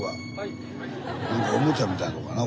何かおもちゃみたいなとこやな